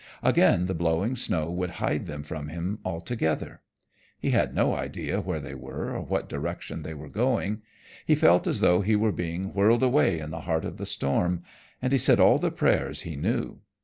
Again the blowing snow would hide them from him altogether. He had no idea where they were or what direction they were going. He felt as though he were being whirled away in the heart of the storm, and he said all the prayers he knew.